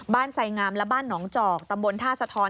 ไสงามและบ้านหนองจอกตำบลท่าสะทอน